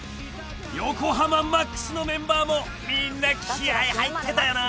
［横浜魔苦須のメンバーもみんな気合入ってたよな］